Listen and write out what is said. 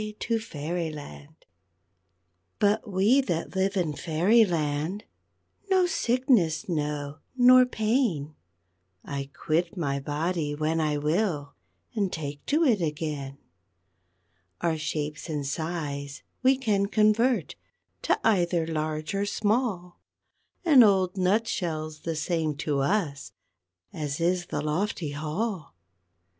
TO FAIRYLAND But we that live in Fairyland No sickness know, nor pain; I quit my body when I will, And take to it again. _Our shapes and size we can convert To either large or small, An old nut shell's the same to us As is the lofty hall.